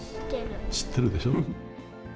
知ってるでしょ？